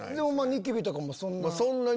ニキビとかもそんな。